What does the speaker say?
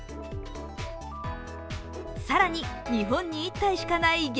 更に日本に１体しかない激